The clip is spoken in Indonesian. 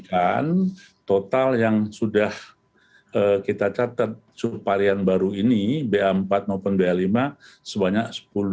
dan total yang sudah kita catat subvarian baru ini ba empat maupun ba lima sebanyak seribu lima puluh tujuh